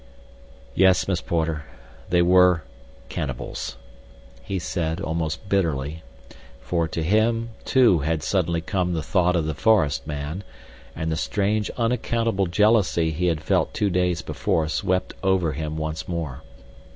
"Yes, Miss Porter, they were—cannibals," he said, almost bitterly, for to him too had suddenly come the thought of the forest man, and the strange, unaccountable jealousy he had felt two days before swept over him once more.